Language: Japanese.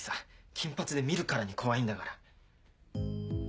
金髪で見るからに怖いんだから。